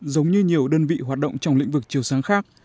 giống như nhiều đơn vị hoạt động trong lĩnh vực chiều sáng khác